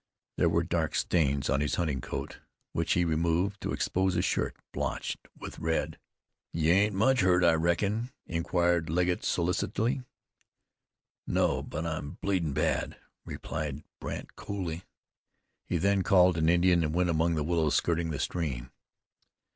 There were dark stains on his hunting coat, which he removed to expose a shirt blotched with red. "You ain't much hurt, I reckon?" inquired Legget solicitously. "No; but I'm bleeding bad," replied Brandt coolly. He then called an Indian and went among the willows skirting the stream.